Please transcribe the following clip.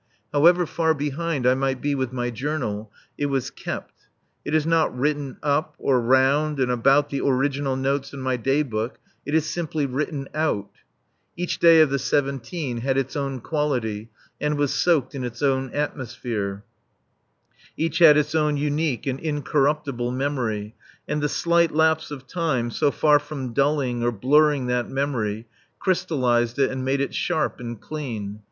However far behind I might be with my Journal, it was kept. It is not written "up," or round and about the original notes in my Day Book, it is simply written out. Each day of the seventeen had its own quality and was soaked in its own atmosphere; each had its own unique and incorruptible memory, and the slight lapse of time, so far from dulling or blurring that memory, crystallized it and made it sharp and clean.